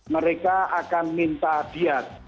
mereka akan minta diet